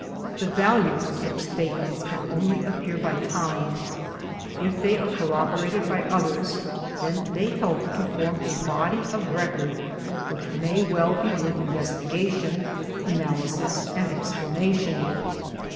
The value of such statements can only appear by time ; if they are corroborated by others then they help to form a body of record which may well be worth investigation, analysis and explanation.